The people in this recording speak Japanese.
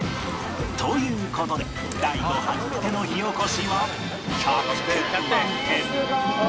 という事で大悟初めての火起こしは１００点満点！